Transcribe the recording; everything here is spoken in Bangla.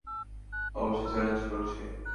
অবশ্যই চ্যালেঞ্জ করছি।